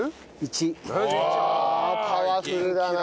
わあパワフルだな！